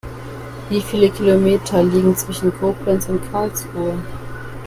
Wie viele Kilometer liegen zwischen Koblenz und Karlsruhe?